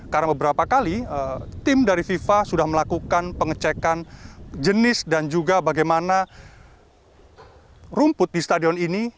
karena beberapa kali tim dari fifa sudah melakukan pengecekan jenis dan juga bagaimana rumput di stadion ini